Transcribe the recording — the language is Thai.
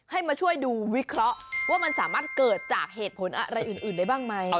มาช่วยดูวิเคราะห์ว่ามันสามารถเกิดจากเหตุผลอะไรอื่นได้บ้างไหม